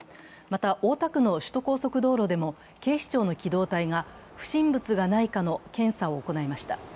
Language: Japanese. また大田区の首都高速道路でも警視庁の機動隊が、不審物がないかの検査を行いました。